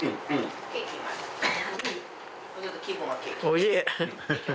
おいしい。